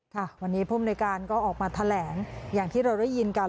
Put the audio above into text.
ค่ะวันนี้ภูมิในการก็ออกมาแถลงอย่างที่เราได้ยินกัน